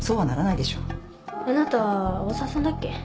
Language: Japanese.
あなた大澤さんだっけ？